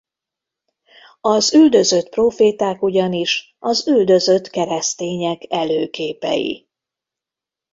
Az üldözött próféták ugyanis az üldözött keresztények előképei.